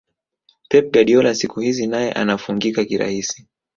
pep guardiola siku hizi naye anafungika kirahisi